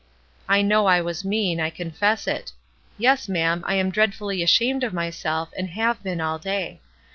I know I was mean, I confess it ; yes, ma'am, I am dreadfully ashamed of myself and have been all day.